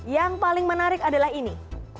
yang paling menarik adalah ini